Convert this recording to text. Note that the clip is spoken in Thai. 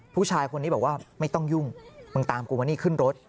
ผู้ชายคนนี้บอกว่าไม่ต้องยุ่งมึงตามกูมานี่ขึ้นรถ